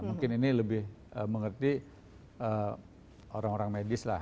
mungkin ini lebih mengerti orang orang medis lah